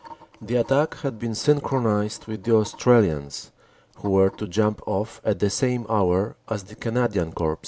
"The attack had been synchronized with the Australians, who were to jump off at the same hour as the Canadian Corps.